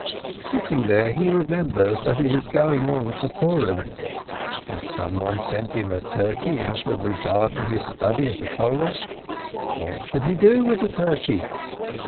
Sitting there, be remembers that it is going on for Purhn. W«« ^••M' one sent him a turkey out of regard for his study of the Torah? What shall he do with the turkey?